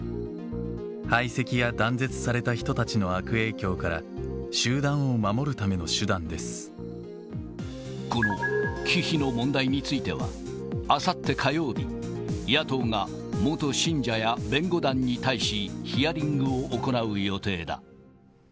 排斥や断絶された人たちの悪影響から、この忌避の問題については、あさって火曜日、野党が元信者や弁護団に対し、ヒアリングを行う予定だ。